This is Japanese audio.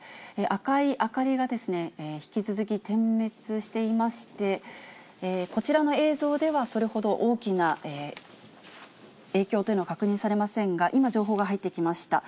赤い明かりが引き続き点滅していまして、こちらの映像ではそれほど大きな影響というのは確認されませんが、今、情報が入ってきました。